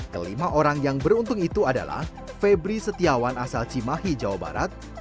kelima orang yang beruntung itu adalah febri setiawan asal cimahi jawa barat